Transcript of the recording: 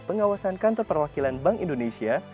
pengawasan kantor perwakilan bank indonesia